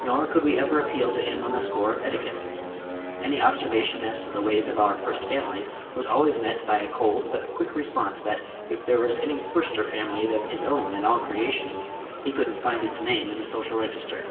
Nor could we ever appeal to him on the score of etiquette. Any observation as to the ways of our first families was always met by a cold but quick response that if there was any firster family than his own in all creation, he couldn't find its name in the social register.